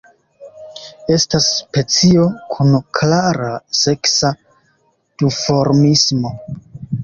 Estas specio kun klara seksa duformismo.